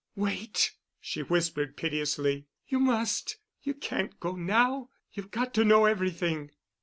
"Wait," she whispered piteously. "You must. You can't go now. You've got to know everything."